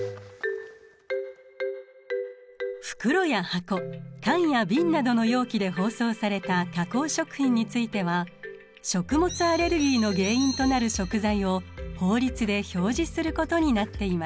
袋や箱缶や瓶などの容器で包装された加工食品については食物アレルギーの原因となる食材を法律で表示することになっています。